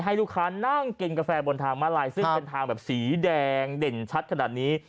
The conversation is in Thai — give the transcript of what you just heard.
ให้ลูกค้านั่งกินกาแฟบนทางมาลายซึ่งเป็นทางแบบสีแดงเด่นชัดขนาดนี้